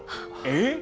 えっ？